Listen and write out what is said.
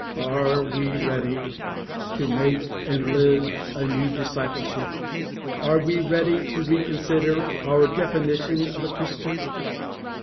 "Are we ready to make and live a new discipleship? Are we ready to reconsider our definition of a Christian?